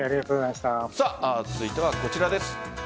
続いてはこちらです。